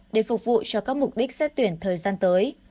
để phục vụ cho các mục đích xét tuyển thời gian tới